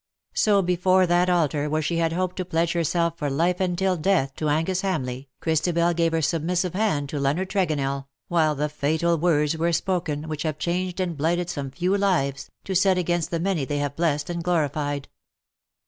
So before that altar where she had hoped to pledge herself for life and till death to Angus Hamleigh, Christabel gave her submissive hand to Leonard Tregonell, while the fatal words were «poken which have changed and blighted some few lives^ to set against the many they have blessed and glorified.